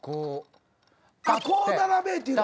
こう並べえっていうの。